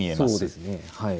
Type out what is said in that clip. そうですね。